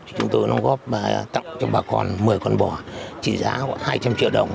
chúng tôi đóng góp tặng cho bà con một mươi con bò trị giá khoảng hai trăm linh triệu đồng